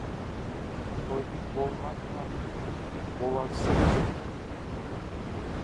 Тойдың болғанынан, боладысы қызық.